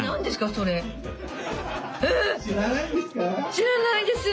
「知らないんですか？」。